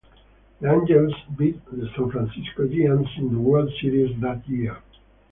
The Angels beat the San Francisco Giants in the World Series that year.